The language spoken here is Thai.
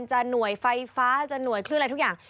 หน่วยไฟฟ้าจะหน่วยคลื่นอะไรทุกอย่าง